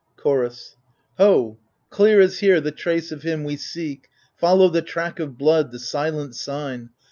Chorus Ho ! clear is here the trace of him we seek : Follow the track of blood, the silent sign